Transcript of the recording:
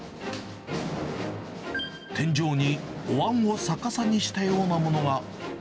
天井におわんを逆さにしたようなものが。